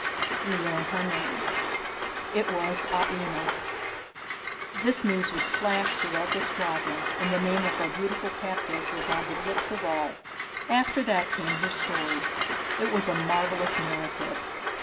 We Learn Her Name. It was Aina (pronounced Ah ee na). This news was flashed throughout the squadron, and the name of our beautiful captive was on the lips of all. After that came her story. It was a marvellous narrative.